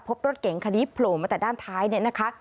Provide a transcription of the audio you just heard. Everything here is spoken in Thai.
พบรถเก๋งคันนี้โผล่มาแต่ด้านท้ายเนี่ยนะคะ